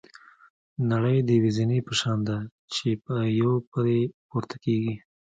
نړۍ د یوې زینې په شان ده چې یو پرې پورته کېږي.